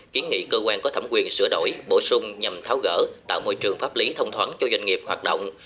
kiến nghị cơ quan có thẩm quyền sửa đổi bổ sung nhằm tháo gỡ tạo môi trường pháp lý thông thoáng cho doanh nghiệp hoạt động